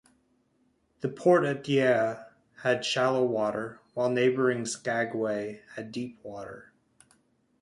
The port at Dyea had shallow water, while neighboring Skagway had deep water.